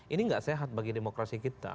ini gak sehat bagi demokrasi kita